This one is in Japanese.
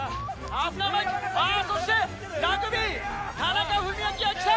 あぁそしてラグビー田中史朗が来た！